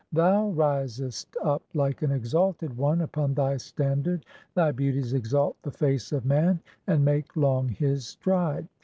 Thou risest up "like an exalted one upon thy standard, thy beauties exalt the "face [of man] and make long [his] stride.